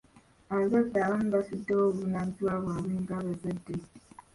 Abazadde abamu basuddewo obuvunaanyizibwa bwabwe nga bazadde.